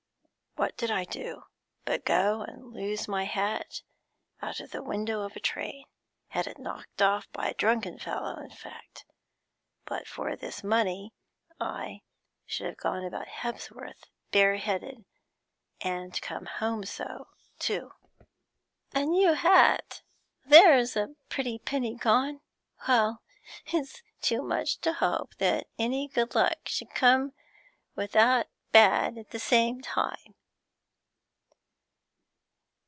What did I do, but go and lose my hat out of the window of the train had it knocked off by a drunken fellow, in fact. But for this money I should have gone about Hebsworth bareheaded, and come home so, too.' 'A new hat! There's a pretty penny gone! Well, it's too much to hope that any good luck should come without bad at the same time.'